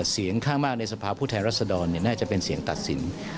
เสียงข้างมากในสภาพผู้แทนรัศดรน่าจะเป็นเสียงตัดสิน